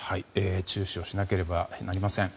注視をしなければなりません。